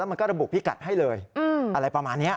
มันก็ระบุพิกัดให้เลยอะไรประมาณนี้